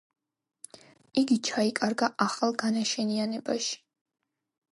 იგი ჩაიკარგა ახალ განაშენიანებაში.